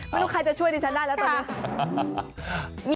ไม่รู้ใครจะช่วยดิฉันได้แล้วตอนนี้